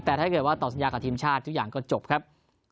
แต่ถ้าเกิดว่าต่อสัญญากับทีมชาติทุกอย่างก็จบครับ